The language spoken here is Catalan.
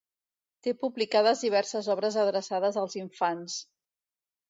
Té publicades diverses obres adreçades als infants.